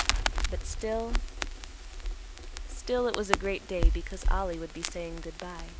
But still—still it was a great day, because Ollie would be saying good by.